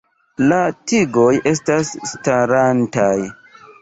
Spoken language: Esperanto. La tigoj estas starantaj.